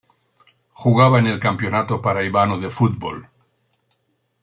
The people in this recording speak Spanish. Jugaba en el Campeonato Paraibano de Fútbol.